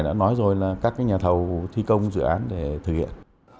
đã nói rồi là các nhà thầu thi công dự án để thực hiện